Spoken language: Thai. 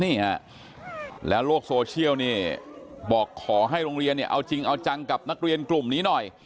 นี่ฮะแล้วโลกโซเชียลเนี่ยบอกขอให้โรงเรียนเนี่ยเอาจริงเอาจังกับนักเรียนกลุ่มนี้หน่อย